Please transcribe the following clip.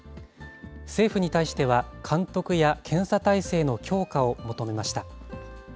政府に対しては、監督や検査態勢の強化を求めました。